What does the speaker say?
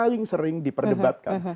yang paling sering diperdebatkan